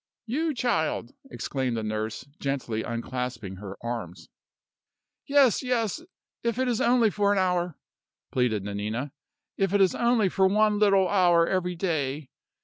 "You, child!" exclaimed the nurse, gently unclasping her arms. "Yes yes! if it is only for an hour," pleaded Nanina; "if it is only for one little hour every day.